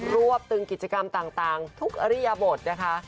วบตึงกิจกรรมต่างทุกอริยบทนะคะ